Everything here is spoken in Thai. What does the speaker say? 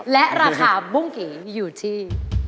และราคาบุ้งเก๋อยู่ที่